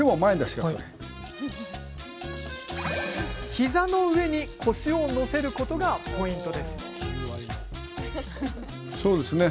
膝の上に腰を乗せることがポイント。